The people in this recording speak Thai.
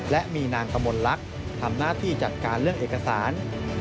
และมีนางกมลลักษณ์ทำหน้าที่จัดการเรื่องเอกสาร